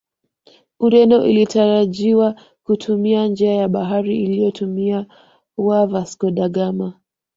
Ureno ilitarajiwa kutumia njia ya baharini iliyotumiwa Vasco da Ghama